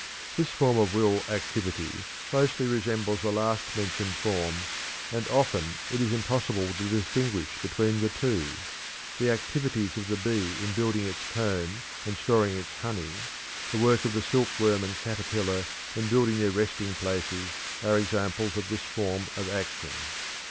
This form of will activity closely resembles the last mentioned form, and often it is impossible to distinguish between the two. The activities of the bee in building its comb and storing its honey, the work of the silkworm and caterpillar in building their resting places, are examples of this form of action.